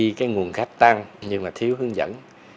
vì cái nguồn khách tăng nhưng mà thiếu hướng dẫn